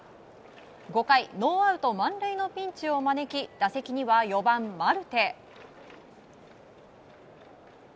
５回、ノーアウト満塁のピンチを招き打席には４番、マルテ。